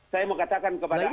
saya mau katakan kepada anda bahwa